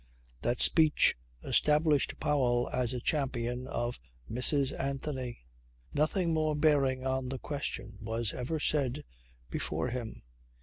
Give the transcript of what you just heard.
This speech established Powell as a champion of Mrs. Anthony. Nothing more bearing on the question was ever said before him.